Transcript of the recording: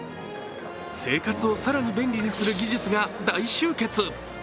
生活を更に便利にする技術が大集結。